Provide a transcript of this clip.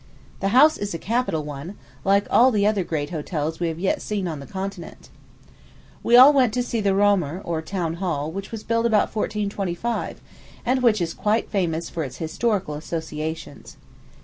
The house is a capital one, like all the other great hotels we have yet seen on the continent. We all went to see the Römer, or Town Hall, which was built about 1425, and which is quite famous for its historical associations.